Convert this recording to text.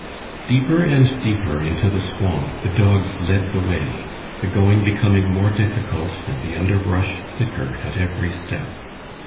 Deeper and deeper into the swamp the dogs led the way, the going becoming more difficult and the underbrush thicker at every step.